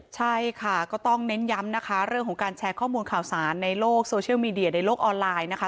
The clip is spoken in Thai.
ใช่ค่ะก็ต้องเน้นย้ำนะคะเรื่องของการแชร์ข้อมูลข่าวสารในโลกโซเชียลมีเดียในโลกออนไลน์นะคะ